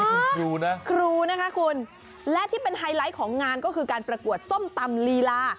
คุณครูนะครูนะคะคุณและที่เป็นไฮไลท์ของงานก็คือการประกวดส้มตำลีลา